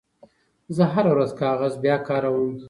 زه هره ورځ کاغذ بیاکاروم.